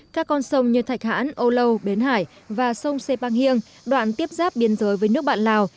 các con sông như thạch hãn âu lâu bến hải và sông se ba hiêng đoạn tiếp giáp biên giới với nước bạn lào